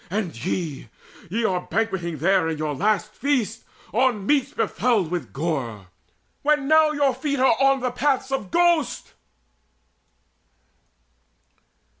And ye, ye are banqueting there In your last feast, on meats befouled with gore, When now your feet are on the Path of Ghosts!"